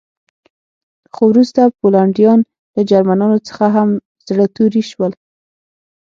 خو وروسته پولنډیان له جرمنانو څخه هم زړه توري شول